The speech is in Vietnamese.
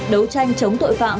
đấu tranh chống tội phạm